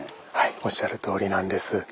おっしゃるとおりなんです。